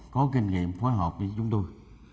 có kinh nghiệm phối hợp với chúng tôi